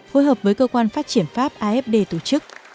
phối hợp với cơ quan phát triển pháp afd tổ chức